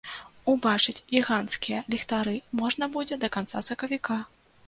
Убачыць гіганцкія ліхтары можна будзе да канца сакавіка.